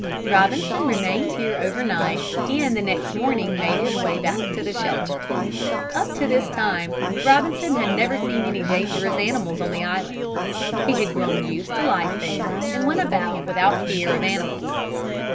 Robinson remained here over night and the next morning made his way back to the shelter. Up to this time Robinson had never seen any dangerous animals on the island. He had grown used to life there and went about without fear of animals.